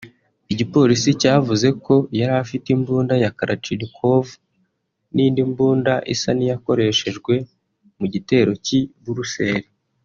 Igipolisi cyavuze ko yarafite imbunda ya Kalashnikov n’indi mbunda isa n’iyakoreshejwe mu gitero cy’i Bruxelles